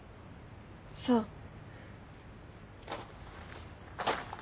そう